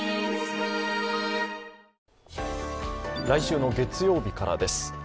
来週の月曜日からです。